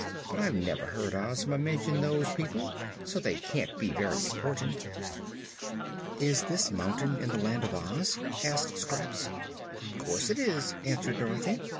"But I've never heard Ozma mention those people, so they can't be very important." "Is this mountain in the Land of Oz?" asked Scraps. "Course it is," answered Dorothy.